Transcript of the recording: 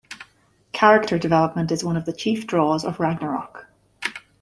Character development is one of the chief draws of "Ragnarok".